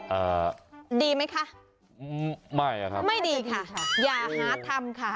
อ่าดีไหมคะไม่อะครับไม่ดีค่ะค่ะอย่าหาทำค่ะ